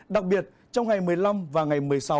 đặc biệt trong ngày một mươi năm và ngày một mươi sáu